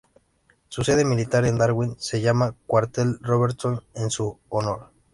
Su sede militar en Darwin se llama Cuartel Robertson en su honor.